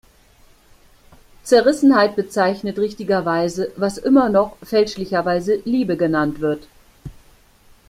Zerrissenheit bezeichnet richtiger Weise, was immer noch, fälschlicherweise, Liebe genannt wird.